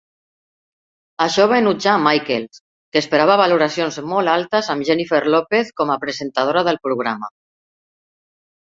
Això va enutjar a Michaels, que esperava valoracions molt altes amb Jennifer Lopez com a presentadora del programa.